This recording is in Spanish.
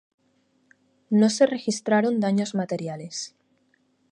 No se registraron daños materiales.